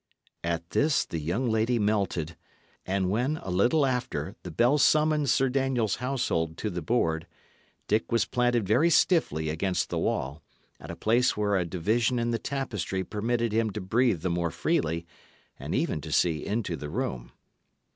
At this the young lady melted; and when, a little after, the bell summoned Sir Daniel's household to the board, Dick was planted very stiffly against the wall, at a place where a division in the tapestry permitted him to breathe the more freely, and even to see into the room.